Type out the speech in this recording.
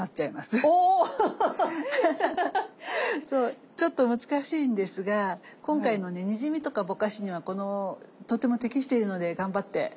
そうちょっと難しいんですが今回のねにじみとかぼかしにはとても適しているので頑張って。